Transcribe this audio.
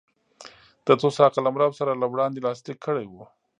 د توسا قلمرو سره له وړاندې لاسلیک کړی و.